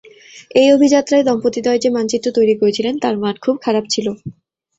এই অভিযাত্রায় দম্পতিদ্বয় যে মানচিত্র তৈরি করেছিলেন তার মান খুব খারাপ ছিল।